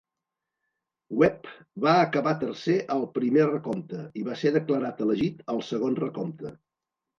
Webb va acabar tercer al primer recompte i va ser declarat elegit al segon recompte.